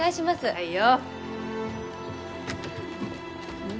はいよ。